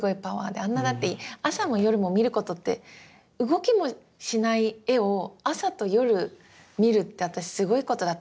あんなだって朝も夜も見ることって動きもしない絵を朝と夜見るって私すごいことだと思うんですよ。